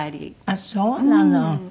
あっそうなの。